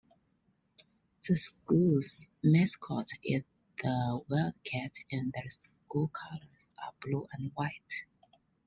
The school's mascot is the wildcat and their school colors are blue and white.